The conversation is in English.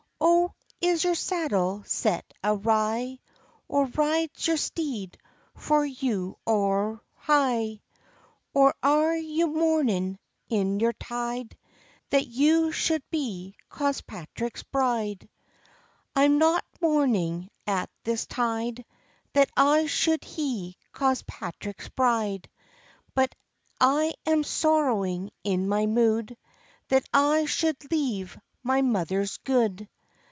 "O is your saddle set awrye? Or rides your steed for you owre high? Or are you mourning, in your tide, That you suld be Cospatrick's bride?" "I am not mourning, at this tide, That I suld he Cospatrick's bride; But I am sorrowing in my mood, That I suld leave my mother good."